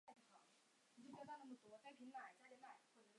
因此查图西茨战役是两军主力的一场遭遇战。